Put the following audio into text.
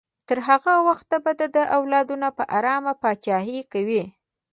تر هغه وخته به د ده اولادونه په ارامه پاچاهي کوي.